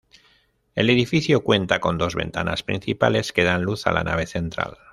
El edificio cuenta con dos ventanas principales que dan luz a la nave central.